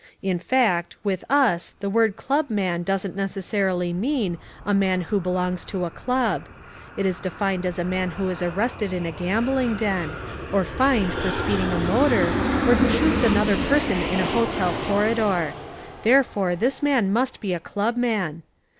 In fact, with us the word club man doesn't necessarily mean a man who belongs to a club: it is defined as a man who is arrested in a gambling den; or fined for speeding a motor or who shoots another person in a hotel corridor. Therefore this man must be a club man.